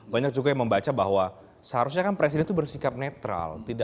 banyak juga yang membaca bahwa seharusnya kan presiden itu bersikap netral